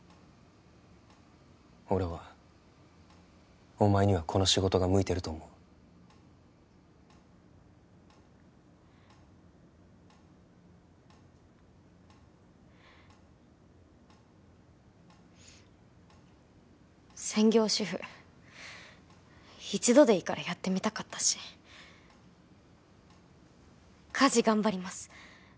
俺はお前にはこの仕事が向いてると思う専業主婦一度でいいからやってみたかったし家事頑張ります